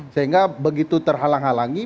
sehingga begitu terhalang halangi